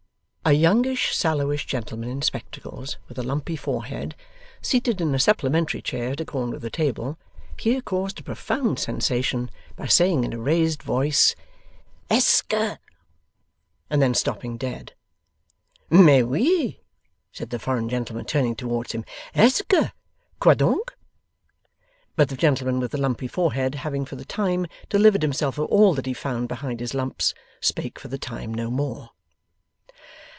A youngish sallowish gentleman in spectacles, with a lumpy forehead, seated in a supplementary chair at a corner of the table, here caused a profound sensation by saying, in a raised voice, 'ESKER,' and then stopping dead. 'Mais oui,' said the foreign gentleman, turning towards him. 'Est ce que? Quoi donc?' But the gentleman with the lumpy forehead having for the time delivered himself of all that he found behind his lumps, spake for the time no more.